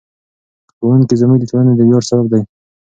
ښوونکي زموږ د ټولنې د ویاړ سبب دي.